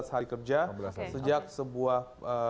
hari kerja sejak sebuah